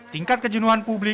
tingkat kejenuan pandemi